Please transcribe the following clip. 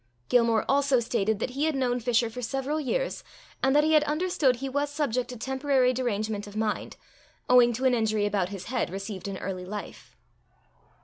Gilmore also stated that he had known Fisher for several years, and that he had understood he was subject to temporary derangement of mind, owing to an injury about his head received in early life.